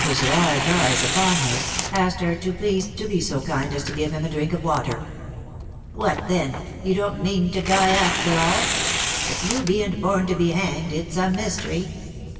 279 his large eyes upon her, asked her to please to be so kind as to give him a drink of water. " What, then !— you don't mean to die after all? If you bean't born to be hanged, it's a mystery.